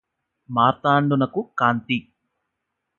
మార్తాండునకు కాంతి